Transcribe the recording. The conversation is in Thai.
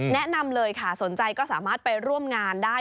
แนะนำเลยค่ะสนใจก็สามารถไปร่วมงานได้